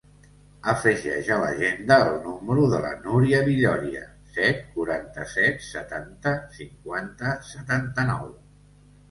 Afegeix a l'agenda el número de la Núria Villoria: set, quaranta-set, setanta, cinquanta, setanta-nou.